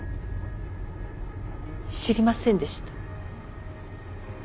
知りませんでした。